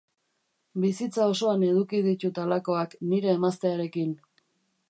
Bizitza osoan eduki ditut halakoak, nire emaztearekin.